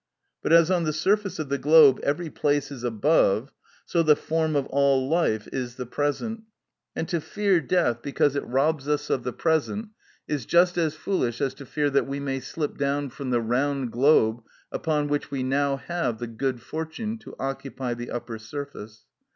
But as on the surface of the globe every place is above, so the form of all life is the present, and to fear death because it robs us of the present, is just as foolish as to fear that we may slip down from the round globe upon which we have now the good fortune to occupy the upper surface.